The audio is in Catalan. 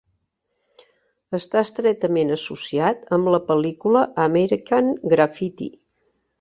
Està estretament associat amb la pel·lícula "American Graffiti".